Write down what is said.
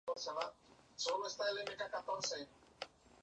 Se instauró la moda de representar la región en grupos de ocho escenas.